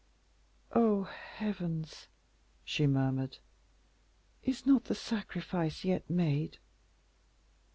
"Oh, heavens!" she murmured, "is not the sacrifice yet made?"